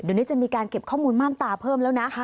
เดี๋ยวนี้จะมีการเก็บข้อมูลม่านตาเพิ่มแล้วนะ